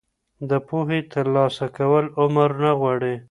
د پوهې ترلاسه کول عمر نه غواړي.